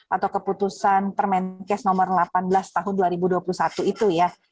atau keputusan permenkes nomor delapan belas tahun dua ribu dua puluh satu itu ya